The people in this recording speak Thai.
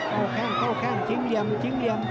โต้แข้งโต้แข้งทิ้งเหลี่ยมทิ้งเหลี่ยม